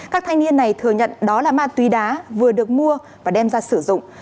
các thanh niên này thừa nhận đó là ma túy đá vừa được mua và đem ra sử dụng